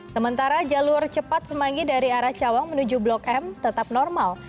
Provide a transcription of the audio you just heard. sementara jalur cepat semanggi dari arah cawang menuju blok m tetap normal